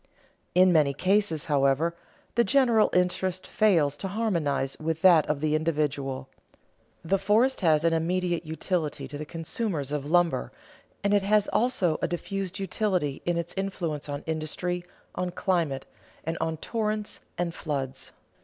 In many cases, however, the general interest fails to harmonize with that of the individual. The forest has an immediate utility to the consumers of lumber, and it has also a diffused utility in its influence on industry, on climate, and on torrents and floods.